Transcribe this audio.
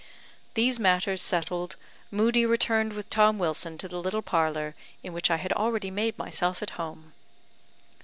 These matters settled, Moodie returned with Tom Wilson to the little parlour, in which I had already made myself at home.